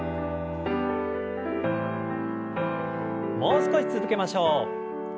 もう少し続けましょう。